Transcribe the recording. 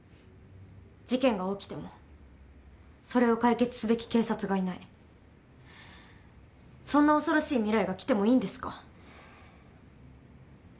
事件が起きてもそれを解決すべき警察がいないそんな恐ろしい未来が来てもいいんですか？